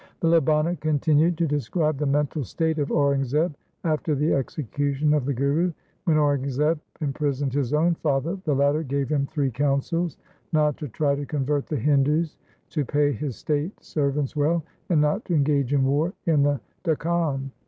The Labana continued to describe the mental state of Aurangzeb after the execution of the Guru. When Aurangzeb imprisoned his own father the latter gave him three counsels — not to try to convert the Hindus, to pay his State servants well, and not to engage in war in the Dakhan.